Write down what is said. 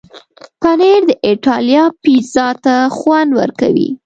پنېر د ایټالیا پیزا ته خوند ورکوي.